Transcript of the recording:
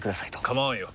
構わんよ。